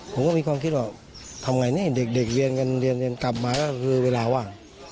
ผมก็มีความคิดว่าทำไงนี่เด็กเรียนกันเรียนกลับมาก็คือเวลาว่าง